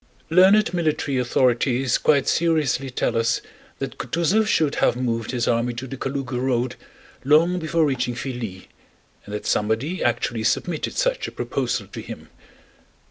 Learned military authorities quite seriously tell us that Kutúzov should have moved his army to the Kalúga road long before reaching Filí, and that somebody actually submitted such a proposal to him.